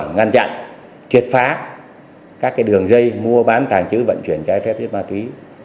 ngăn chặn truyệt phá các đường dây mua bán tàng trữ vận chuyển trái phép chân ma túy